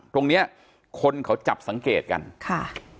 ตรงเนี้ยคนเขาจับสังเกตกันค่ะ